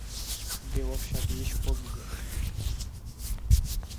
Bylo však již pozdě.